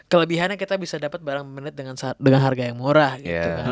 kelebihannya kita bisa dapat barang dengan harga yang murah gitu kan